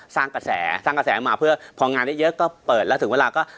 สร้างกระแสสร้างกระแสมาเพื่อพองานเยอะก็เปิดแล้วถึงเวลาก็